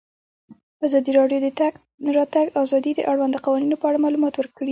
ازادي راډیو د د تګ راتګ ازادي د اړونده قوانینو په اړه معلومات ورکړي.